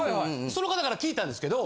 その方から聞いたんですけど。